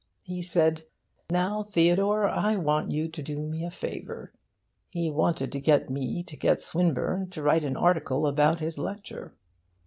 He said "Now, Theodore, I want you to do me a favour." He wanted to get me to get Swinburne to write an article about his lecture.